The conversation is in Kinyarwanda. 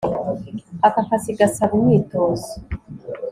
Aka kazi gasaba imyitozo